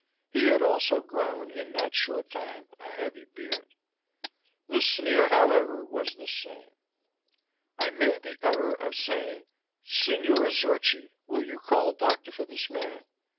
He had also grown, in that short time, a heavy beard. The sneer, however, was the same. I made the error of saying, "Signore Zorchi, will you call a doctor for this man?"